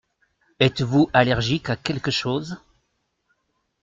Êtes-vous allergique à quelque chose ?